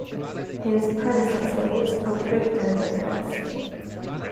His predecessor was Pope Victor the First.